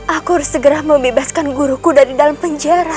aku harus segera membebaskan guruku dari dalam penjara